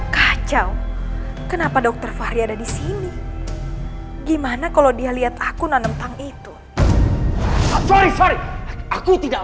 kacau kenapa dokter fahri ada di sini gimana kalau dia lihat aku nanem tang itu sorry sorry aku tidak